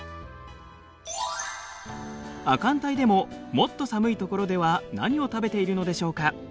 亜寒帯でももっと寒いところでは何を食べているのでしょうか？